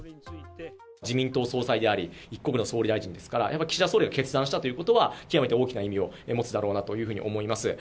自民党総裁であり、一国の総理大臣ですから、やっぱり岸田総理が決断したということは、極めて大きな意味を持つだろうなというふうに思います。